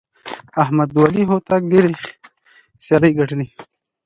احمد ولي هوتک ډېرې سیالۍ ګټلي.